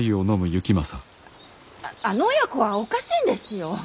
ああの親子はおかしいんですよ。